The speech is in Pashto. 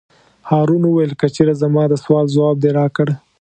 هارون وویل: که چېرې زما د سوال ځواب دې راکړ.